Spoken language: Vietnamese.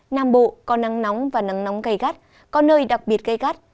nam bộ có nắng nóng và nắng nóng gây gắt có nơi đặc biệt gây gắt